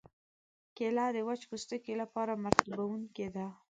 کېله د وچ پوستکي لپاره مرطوبوونکې ده.